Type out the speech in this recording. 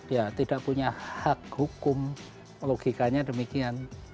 ya tidak punya hak hukum logikanya demikian